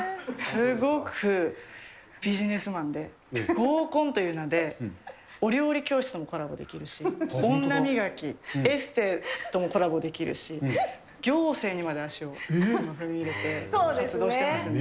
すごくビジネスマンで、合コンという名で、お料理教室ともコラボできるし、女磨き、エステともコラボできるし、行政にまで足を踏み入れて活動してますね。